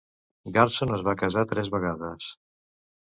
Garson es va casar tres vegades.